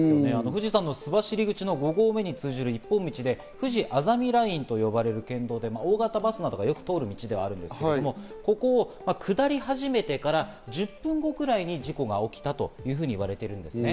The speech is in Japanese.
富士山の須走口の五合目につながる一本道で、ふじあざみラインと呼ばれる県道で大型バスなどをよく通る道ではあるんですけれども、ここを下り始めてから１０分後くらいに事故が起きたというふうに言われているんですね。